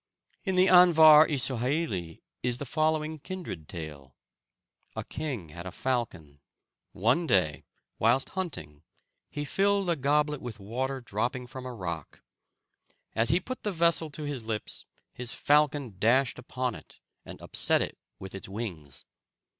In the Anvar i Suhaili is the following kindred tale. A king had a falcon. One day, whilst hunting, he filled a goblet with water dropping from a rock. As he put the vessel to his lips, his falcon dashed upon it, and upset it with its wings.